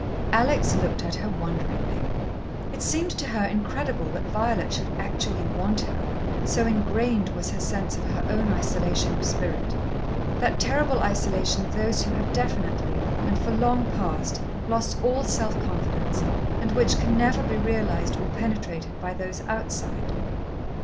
Alex looked at her wonderingly. It seemed to her incredible that Violet should actually want her, so engrained was her sense of her own isolation of spirit. That terrible isolation of those who have definitely, and for long past, lost all self confidence, and which can never be realized or penetrated by those outside.